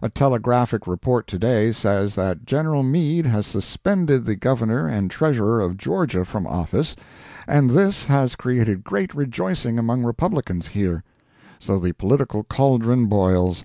A telegraphic report to day says that General Meade has suspended the Governor and Treasurer of Georgia from office, and this has created great rejoicing among Republicans here. So the political cauldron boils.